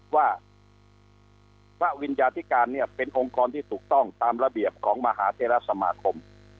ว่าพระวิญญาธิการเนี่ยเป็นองค์กรที่ถูกต้องตามระเบียบของมหาเทราสมาคม